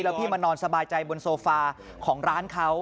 พี่มานอนสบายใจบนโซฟาของร้านเขา